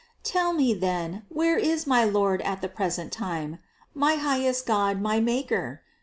730. "Tell me then, where is my Lord at the present time, my highest God, my Maker.